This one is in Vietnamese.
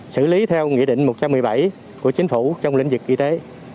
xử lý theo nghị định một trăm một mươi bảy của chính phủ trong lĩnh vực y tế